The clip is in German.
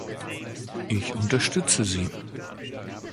Ich unterstütze sie.